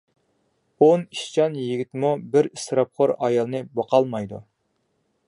ئون ئىشچان يىگىتمۇ بىر ئىسراپخور ئايالنى باقالمايدۇ.